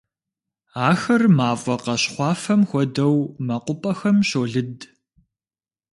Ахэр мафӀэ къащхъуафэм хуэдэу мэкъупӀэхэм щолыд.